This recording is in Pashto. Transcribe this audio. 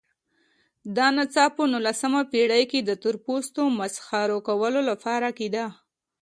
دا نڅا په نولسمه پېړۍ کې د تورپوستو مسخره کولو لپاره کېده.